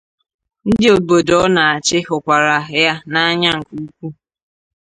Ndị obodo ọ na-achị hụkwara ya n’anya nke ukwu